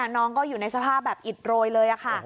น้องก็อยู่ในสภาพแบบอิดโรยเลยค่ะ